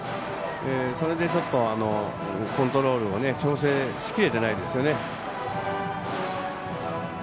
それでちょっと、コントロールを調整しきれていないですよね。